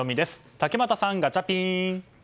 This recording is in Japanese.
竹俣さん、ガチャピン。